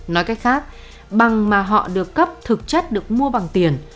nói cách khác bằng mà họ được cấp thực chất được mua bằng tiền